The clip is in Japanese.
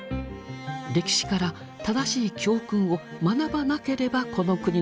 歴史から正しい教訓を学ばなければこの国の未来は危うい。